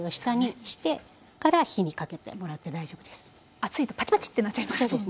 熱いとパチパチってなっちゃいますもんね。